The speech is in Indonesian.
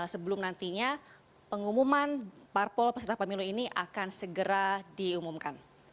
sebelum nantinya pengumuman parpol peserta pemilu ini akan segera diumumkan